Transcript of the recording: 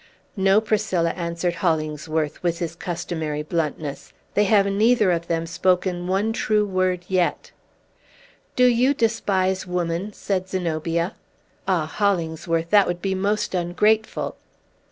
"No, Priscilla!" answered Hollingsworth with his customary bluntness. "They have neither of them spoken one true word yet." "Do you despise woman?" said Zenobia. "Ah, Hollingsworth, that would be most ungrateful!"